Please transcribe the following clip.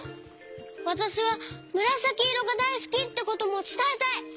「わたしはむらさきいろがだいすき」ってこともつたえたい！